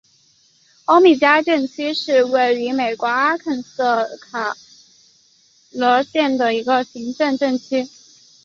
欧米加镇区是位于美国阿肯色州卡罗尔县的一个行政镇区。